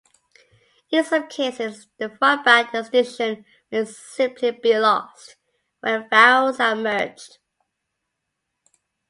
In some cases, the front-back distinction may simply be lost when vowels are merged.